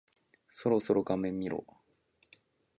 そろそろ画面見ろ。